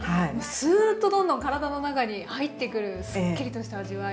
スーッとどんどん体の中に入ってくるすっきりとした味わい。